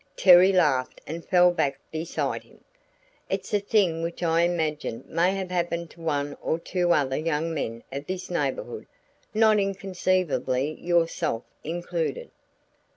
Terry laughed and fell back beside him. "It's a thing which I imagine may have happened to one or two other young men of this neighborhood not inconceivably yourself included."